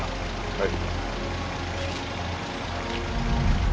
はい。